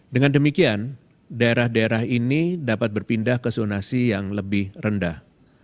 dengan demikian daerah daerah ini dapat berpindah ke zonasi yang lebih rendah